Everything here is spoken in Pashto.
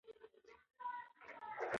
چای د هډوکو روغتیا ملاتړ کوي.